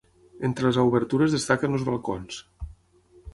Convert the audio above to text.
Entre les obertures destaquen els balcons.